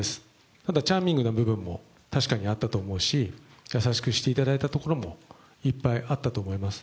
またチャーミングな部分も確かにあったと思いますし優しくしていただいたところもいっぱいあったと思います。